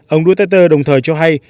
ông duterte đồng thời cho hay